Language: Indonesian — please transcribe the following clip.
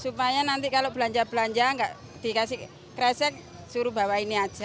supaya nanti kalau belanja belanja nggak dikasih kresek suruh bawa ini aja